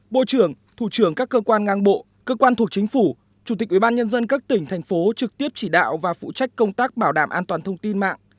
bộ trưởng thủ trưởng các cơ quan ngang bộ cơ quan thuộc chính phủ chủ tịch ubnd các tỉnh thành phố trực tiếp chỉ đạo và phụ trách công tác bảo đảm an toàn thông tin mạng